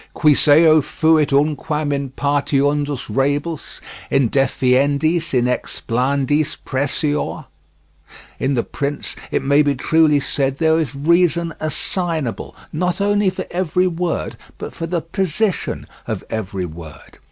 Quis eo fuit unquam in partiundis rebus, in definiendis, in explanandis pressior? In The Prince, it may be truly said, there is reason assignable, not only for every word, but for the position of every word.